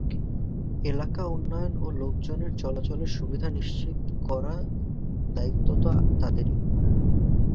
এলাকার উন্নয়ন ও লোকজনের চলাচলের সুবিধা নিশ্চিত করার দায়িত্ব তো তাঁদেরই।